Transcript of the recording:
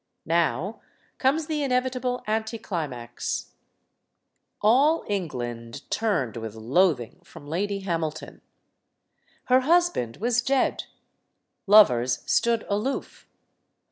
Now comes the inevitable anticlimax. All England turned with loathing from Lady Hamil ton. Her husband was dead. Lovers stood aloof.